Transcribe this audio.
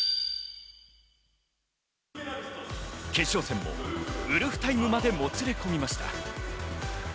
決勝戦もウルフタイムまで、もつれ込みました。